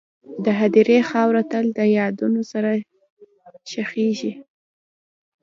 د هدیرې خاوره تل د یادونو سره ښخېږي..